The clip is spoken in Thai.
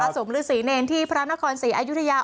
สมฤษีเนรที่พระนครศรีอายุทยา